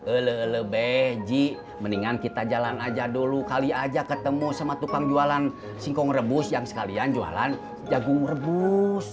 lele beji mendingan kita jalan aja dulu kali aja ketemu sama tukang jualan singkong rebus yang sekalian jualan jagung rebus